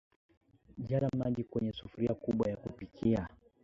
jaza maji kwenye sufuria kubwa ya kupikia